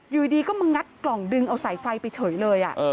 อยู่ดีก็มางัดกล่องดึงเอาสายไฟไปเฉยเลย